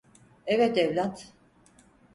Evet, evlat.